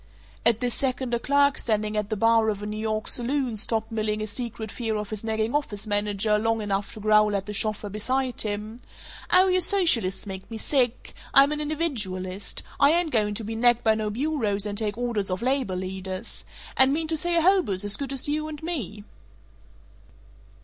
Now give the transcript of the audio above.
At this second a clerk standing at the bar of a New York saloon stopped milling his secret fear of his nagging office manager long enough to growl at the chauffeur beside him, "Aw, you socialists make me sick! I'm an individualist. I ain't going to be nagged by no bureaus and take orders off labor leaders. And mean to say a hobo's as good as you and me?"